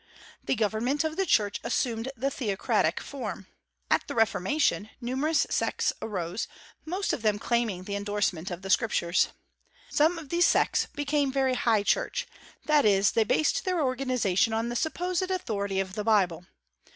The government of the Church assumed the theocratic form. At the Reformation numerous sects arose, most of them claiming the indorsement of the Scriptures. Some of these sects became very high church; that is, they based their organization on the supposed authority of the Bible.